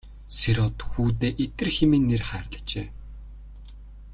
Сэр-Од хүүдээ Идэр хэмээн нэр хайрлажээ.